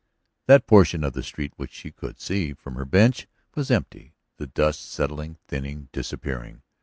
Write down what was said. That portion of the street which she could see from her bench was empty, the dust settling, thinning, disappearing.